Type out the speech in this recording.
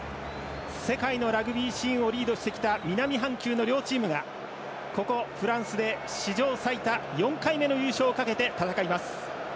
世界のラグビーシーンをリードしてきた南半球の両チームが、ここフランスで史上最多４回目の優勝をかけて戦います。